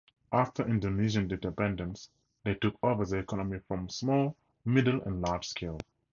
After Indonesian independence, they took over the economy from small, middle, and large scale.